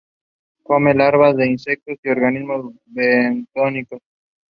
The northeast part of the township is drained by Cedar Creek.